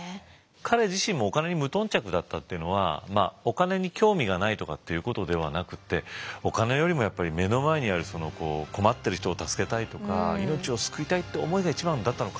彼自身もお金に無頓着だったっていうのはお金に興味がないとかっていうことではなくてお金よりもやっぱり目の前にある困ってる人を助けたいとか命を救いたいって思いが一番だったのかもしれないね。